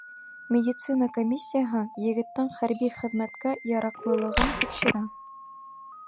Медицина комиссияһы егеттең хәрби хеҙмәткә яраҡлылығын тикшерә.